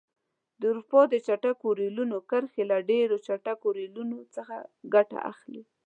د اروپا د چټکو ریلونو کرښې له ډېرو چټکو ریلونو څخه ګټه اخلي.